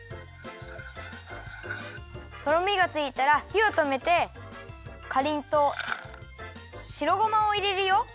とろみがついたらひをとめてかりんとう白ごまをいれるよ。